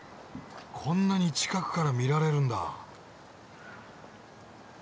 こんなに近くから見られるんだ。